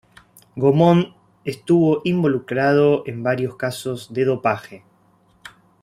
Gaumont estuvo involucrado en varios casos de dopaje.